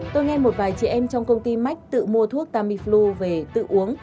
tôi nghe một vài chị em trong công ty mách tự mua thuốc tamiflu về tự uống